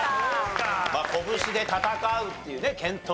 拳で闘うっていうね拳闘。